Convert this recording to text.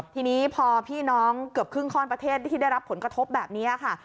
ทีนี้พอพี่น้องเกือบครึ่งข้อนประเทศที่ได้รับผลกระทบแบบนี้ค่ะ